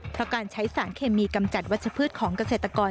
เพราะการใช้สารเคมีกำจัดวัชพืชของเกษตรกร